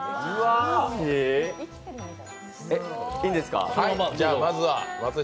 いいですか？